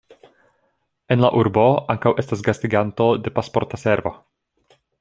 En la urbo ankaŭ estas gastiganto de Pasporta Servo.